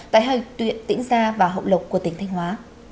tại hội tuyện tỉnh gia và hậu lục của tỉnh thanh hóa